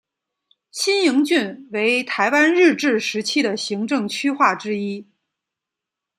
新营郡为台湾日治时期的行政区划之一。